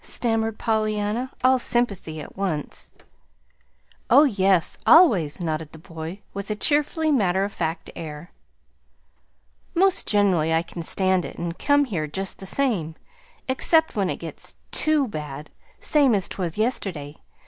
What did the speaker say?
stammered Pollyanna, all sympathy at once. "Oh, yes, always," nodded the boy, with a cheerfully matter of fact air. "Most generally I can stand it and come here just the same, except when it gets TOO bad, same as 'twas yesterday.